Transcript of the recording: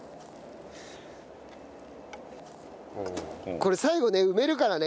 これ最後ね埋めるからね。